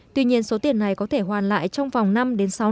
tuy nhiên số tiền này có thể hoàn lại trong vòng năm đến sáu năm